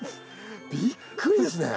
びっくりですね。